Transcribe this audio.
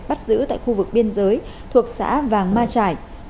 bắt giữ tại khu vực biên giới thuộc xã vàng ma trải